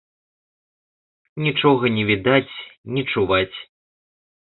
Нічога не відаць, не чуваць.